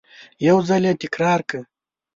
یو ځل یې تکرار کړه !